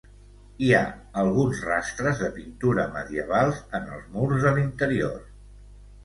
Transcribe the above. Hi ha alguns rastres de pintures medievals en els murs de l'interior.